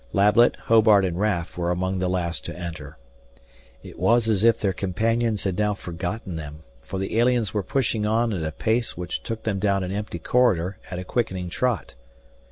Lablet, Hobart, and Raf were among the last to enter. It was as if their companions had now forgotten them, for the aliens were pushing on at a pace which took them down an empty corridor at a quickening trot.